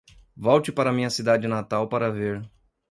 Volte para minha cidade natal para ver